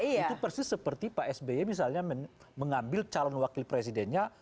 itu persis seperti pak sby misalnya mengambil calon wakil presidennya